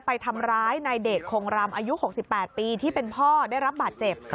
ไปทำร้ายนายเดชคงรำอายุ๖๘ปีที่เป็นพ่อได้รับบาดเจ็บ